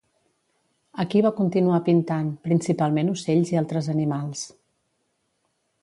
Aquí va continuar pintant, principalment ocells i altres animals.